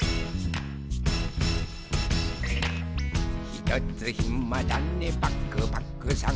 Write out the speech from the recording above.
「ひとつひまだねパクパクさん」